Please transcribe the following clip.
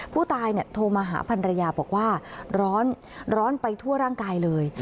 ผู้ตายโทรมาหาพันรยาบอกว่าร้อนไปทั่วร่างกายเลย